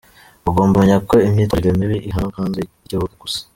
Bagomba kumenya ko imyitwarire mibi ihanwa no hanze y’ikibuga gusa.